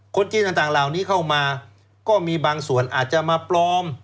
คนจีนต่างเหล่านี้เข้ามาก็มีบางส่วนอาจจะมาปลอม